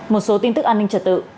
một số tin tức an ninh trật tự